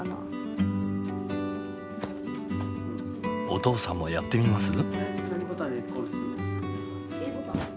お父さんもやってみます？